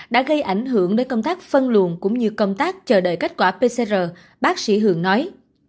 đã gây ảnh hưởng đến công tác phân luồn cũng như công tác chờ đợi kết quả pcr bác sĩ hường nói